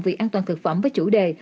vì an toàn thực phẩm với chủ đề